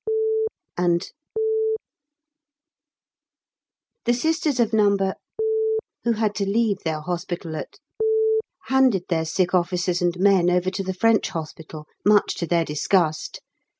and . The Sisters of No. who had to leave their hospital at handed their sick officers and men over to the French hospital, much to their disgust.